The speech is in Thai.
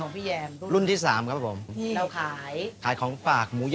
เชื่อแหยมแต่เสื้อยักษ์มาก